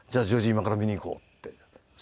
今から見に行こう」ってすぐ見に。